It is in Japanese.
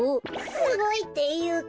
すごいっていうか。